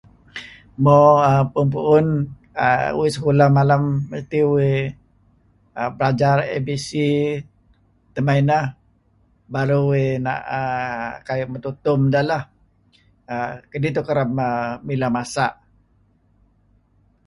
Mo pu'un-pu'un[err] uih sekulah malem uih belajar ABC, tema ineh baru uih kayu' metutum deh lah, idih tuih kereb mileh masa',